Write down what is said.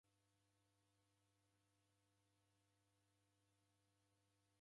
W'akulima w'ew'ona w'ibwaghe iro nyamandu.